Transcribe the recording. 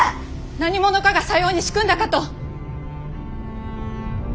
何者かがさように仕組んだかと。